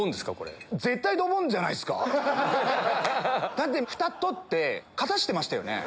だってふた取って片してましたよね。